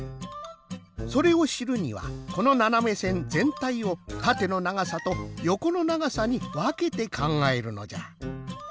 それをしるにはこのななめせんぜんたいをたてのながさとよこのながさにわけてかんがえるのじゃ。